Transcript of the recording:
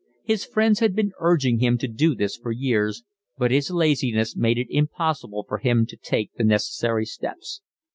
His friends had been urging him to do this for years, but his laziness made it impossible for him to take the necessary steps.